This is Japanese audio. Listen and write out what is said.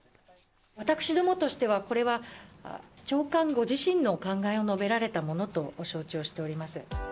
私どもとしては、これは長官ご自身のお考えを述べられたものと承知をしております。